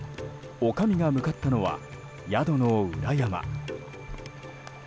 おかみが向かったのは宿の裏山。